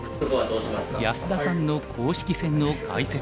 安田さんの公式戦の解説